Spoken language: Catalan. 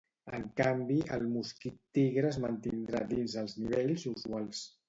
En canvi, el mosquit tigre es mantindrà dins els nivells usuals.